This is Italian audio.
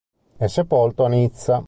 È sepolto a Nizza.